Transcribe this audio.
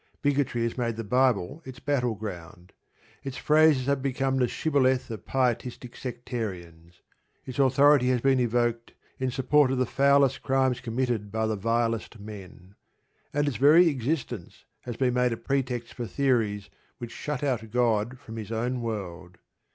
Bigotry has made the Bible its battleground. Its phrases have become the shibboleth of pietistic sectarians. Its authority has been evoked in support of the foulest crimes committed by the vilest men; and its very existence has been made a pretext for theories which shut out God from His own world.